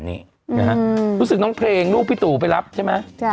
อือฮะรู้สึกเดริ่นน้องเพลงลูกพี่ตุไปรับใช่ไหม